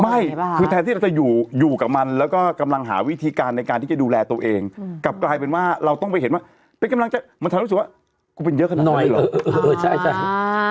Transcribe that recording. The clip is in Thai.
ไม่คือแทนที่เราจะอยู่อยู่กับมันแล้วก็กำลังหาวิธีการในการที่จะดูแลตัวเองกลับกลายเป็นว่าเราต้องไปเห็นว่าเป็นกำลังใจมันทำให้รู้สึกว่ากูเป็นเยอะขนาดน้อยเหรอใช่จ้ะ